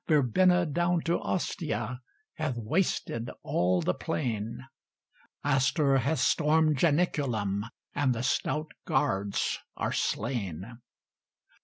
Verbenna down to Ostia Hath wasted all the plain; Astur hath stormed Janiculum, And the stout guards are slain.